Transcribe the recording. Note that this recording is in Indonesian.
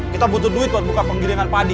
kita butuh duit buat buka penggiringan padi